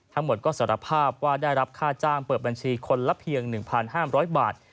ทั้งหมดก็สารภาพว่าได้รับค่าจ้างเปิดบัญชีคนละเพียง๑๕๐๐บาท